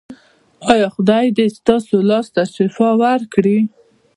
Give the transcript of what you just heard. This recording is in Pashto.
ایا خدای دې ستاسو لاس ته شفا ورکړي؟